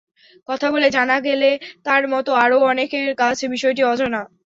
কথা বলে জানা গেলে, তার মতো আরও অনেকের কাছে বিষয়টি অজানা।